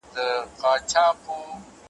دواړه پرېوتل پر مځکه تاوېدله `